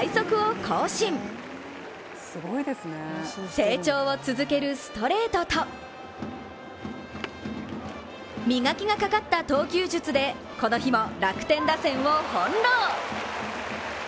成長を続けるストレートと磨きがかかった投球術でこの日も楽天打線を翻弄。